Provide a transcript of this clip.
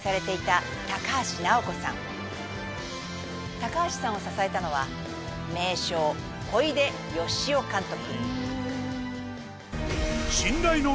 高橋さんを支えたのは名将小出義雄監督。